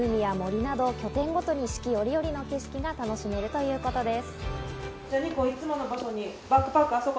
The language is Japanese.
湖や森など１軒ごとに四季折々の景色を楽しめるということです。